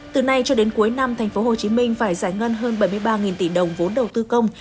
từ nay cho đến cuối năm tp hcm phải giải ngân hơn bảy mươi ba tỷ đồng vốn đầu tư công